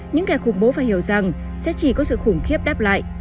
những kẻ khủng bố phải hiểu rằng sẽ chỉ có sự khủng khiếp đáp lại